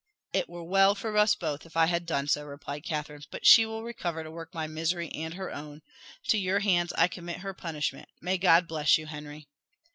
"It were well for us both if I had done so," replied Catherine. "But she will recover to work my misery and her own. To your hands I commit her punishment. May God bless you, Henry!"